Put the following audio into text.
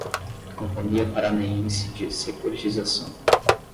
Companhia Paranaense de Securitização